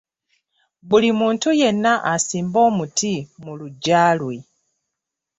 Buli muntu yenna asimbe omuti mu lugya lwe